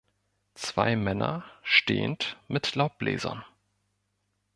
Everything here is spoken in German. Zwei Männer, stehend, mit Laubbläsern.